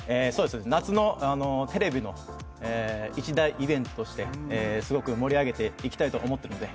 夏のテレビの一大イベントとしてすごく盛り上げていきたいと思ってるんで